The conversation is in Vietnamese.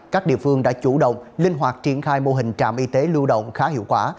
các địa phương đã chủ động linh hoạt triển khai mô hình trạm y tế lưu động khá hiệu quả